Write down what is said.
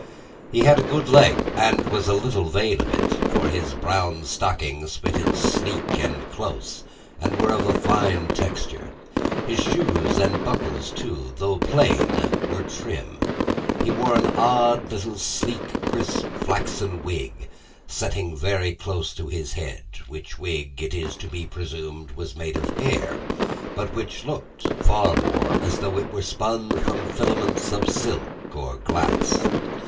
He had a good leg, and was a little vain of it, for his brown stockings fitted sleek and close, and were of a fine texture; his shoes and buckles, too, though plain, were trim. He wore an odd little sleek crisp flaxen wig, setting very close to his head: which wig, it is to be presumed, was made of hair, but which looked far more as though it were spun from filaments of silk or glass.